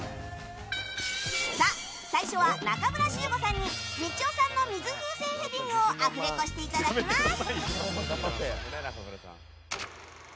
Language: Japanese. さあ、最初は仲村宗悟さんにみちおさんの水風船ヘディングをアフレコしていただきます。